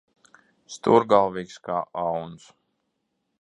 Stūrgalvīgs kā auns.